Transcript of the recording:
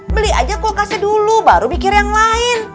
beli aja kulkasnya dulu baru mikir yang lain